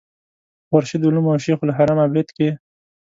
په خورشید علوم او شیخ الحرم عابد کې.